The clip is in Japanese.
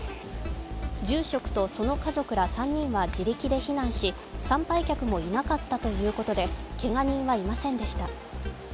住職とその家族ら３人は自力で避難し、参拝客もいなかったということでけが人はいませんでした。